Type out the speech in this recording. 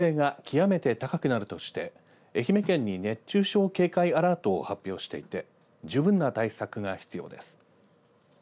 気象台などは熱中症の危険性が極めて高くなるとして愛媛県に熱中症警戒アラートを発表していて十分な対策が必要です。